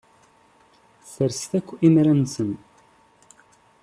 Sserset akk imra-nsen.